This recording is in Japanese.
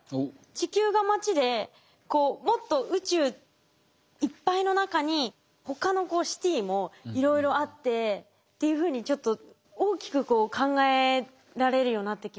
地球が町でもっと宇宙いっぱいの中に他のシティーもいろいろあってっていうふうにちょっと大きく考えられるようになってきました。